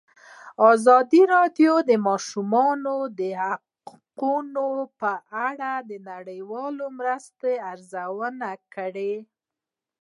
ازادي راډیو د د ماشومانو حقونه په اړه د نړیوالو مرستو ارزونه کړې.